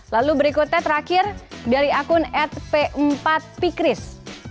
lalu berikutnya terakhir dari akun atp empat pikris